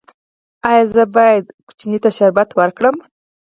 ایا زه باید ماشوم ته شربت ورکړم؟